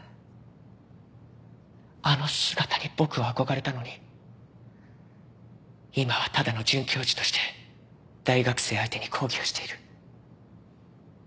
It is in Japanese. あの姿に僕は憧れたのに今はただの准教授として大学生相手に講義をしている。